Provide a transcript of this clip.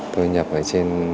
tôi nhập ở trên